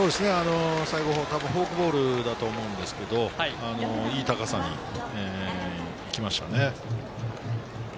最後、フォークボールだと思うんですけれど、いい高さにきましたね。